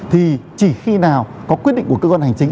thì chỉ khi nào có quyết định của cơ quan hành chính